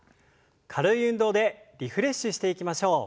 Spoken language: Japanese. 軽い運動でリフレッシュしていきましょう。